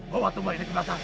bawa tumbal ini ke belakang